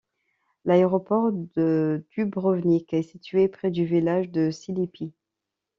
L'aéroport de Dubrovnik est situé près du village de Čilipi.